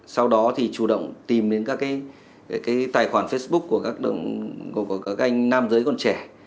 sau đó thì chủ động tìm đến các cái tài khoản facebook của các anh nam giới còn trẻ